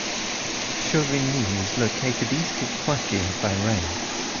Chauvigny is located east of Poitiers by rail.